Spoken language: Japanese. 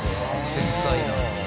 「繊細な」